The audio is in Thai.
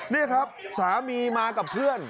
นี่ครับสามีมากับเพื่อน